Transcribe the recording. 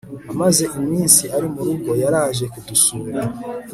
amaze iminsi ari murugo yaraje kudusura